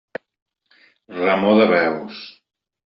Remor de veus.